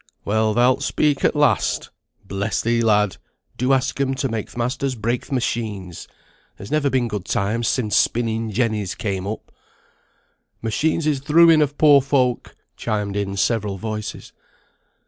"Well, thou'lt speak at last. Bless thee, lad, do ask 'em to make th' masters break th' machines. There's never been good times sin' spinning jennies came up." "Machines is th' ruin of poor folk," chimed in several voices.